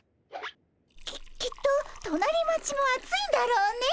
ききっと隣町も暑いだろうね。